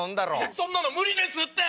そんなの無理ですって！